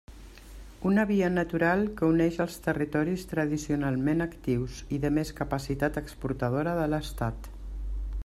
Una via natural que uneix els territoris tradicionalment actius i de més capacitat exportadora de l'Estat.